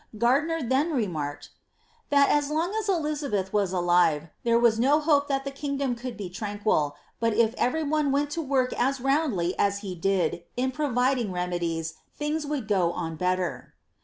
Gardiner then remarked, that as long as Elizabeth was alive, there was no hope that the king dom could be tranquil, but if every one went to work as roundly as he did in providing remedies, things would go on better."